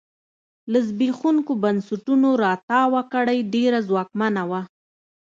له زبېښونکو بنسټونو راتاوه کړۍ ډېره ځواکمنه وه.